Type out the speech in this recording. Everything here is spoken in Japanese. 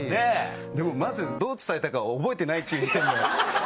でもまずどう伝えたかを覚えてないっていう時点で。